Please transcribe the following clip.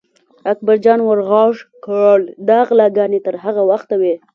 اکبر جان ور غږ کړل: دا غلاګانې تر هغه وخته وي.